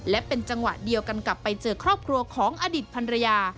และเป็นจังหวะเดียวกันกับไปเจอครอบครัวของอดีตพันรยา